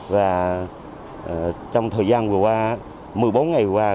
và trong thời gian vừa qua một mươi bốn ngày qua